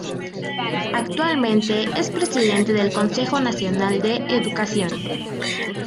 Actualmente es presidente del Consejo Nacional de Educación.